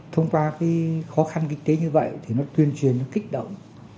thông qua cái khó khăn kinh tế như vậy thì nó tuyên truyền nó kích động